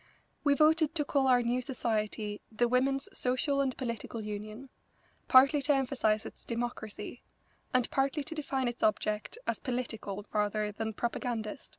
We voted to call our new society the Women's Social and Political Union, partly to emphasise its democracy, and partly to define its object as political rather than propagandist.